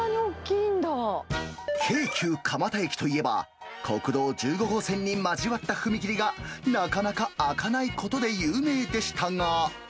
京急蒲田駅といえば、国道１５号線に交わった踏切が、なかなかあかないことで有名でしたが。